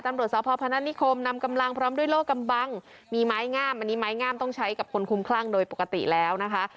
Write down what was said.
ตำรวจสพพนัทนิคมนำกำลังพร้อมด้วยโลกกำบังมีไม้งามอันนี้ไม้งามต้องใช้กับคนคุ้มคลั่งโดยปกติแล้วนะคะ